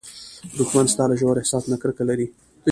دښمن ستا له ژور احساس نه کرکه لري